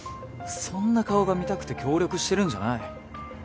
そんな顔が見たくて協力してるんじゃない。